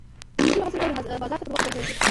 د فصلو حاصل باید بازار ته پر وخت ورسول شي.